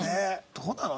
どうなの？